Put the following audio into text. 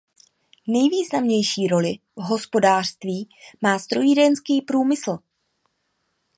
Nejvýznamnější roli v hospodářství má strojírenský průmysl.